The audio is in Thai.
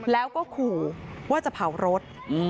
แล้วก็ขู่ว่าจะเผารถ